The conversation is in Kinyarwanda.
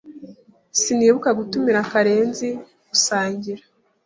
Sinibuka gutumira Karenzi gusangira.